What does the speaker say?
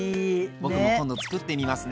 僕も今度つくってみますね。